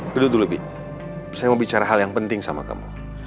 duduk dulu bi saya bicara hal yang penting sama kamu